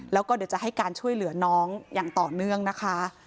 แล้วก็เดี๋ยวจะให้การช่วยเหลือน้องอย่างต่อเนื่องนะคะ